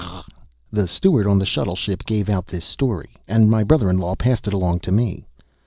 The steward on the shuttle ship gave out this story, and my brother in law passed it along to me."